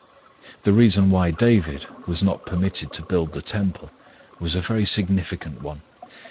The reason why David was not permitted to build the Temple was a very significant one.